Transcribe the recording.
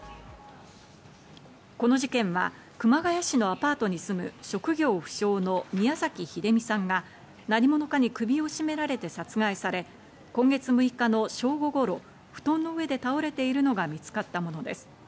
この事件は熊谷市のアパートに住む職業不詳の宮崎英美さんが何者かに首を絞められて殺害され、今月６日の正午頃、布団の上で倒れているのが見つかったものです。